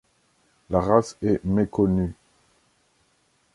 La race est méconnue.